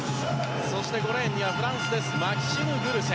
そして５レーンにはフランス、マキシム・グルセ。